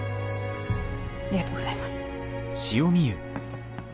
ありがとうございます。